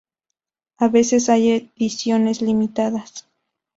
A veces hay ediciones limitadas.